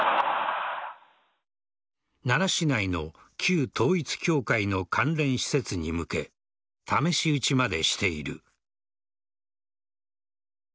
奈良市内の旧統一教会の関連施設に向け試し撃ちまでしている。